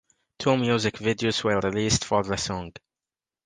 Two music videos were released for the song.